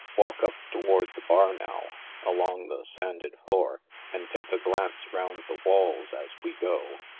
Walk up toward the bar, now, along the sanded floor, and take a glance round the walls as we go.